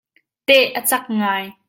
Teh a cak ngai.